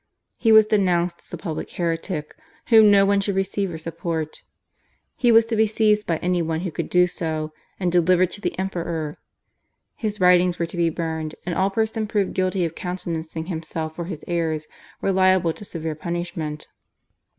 He was denounced as a public heretic whom no one should receive or support; he was to be seized by any one who could do so, and delivered to the Emperor; his writings were to be burned, and all persons proved guilty of countenancing himself or his errors were liable to severe punishment.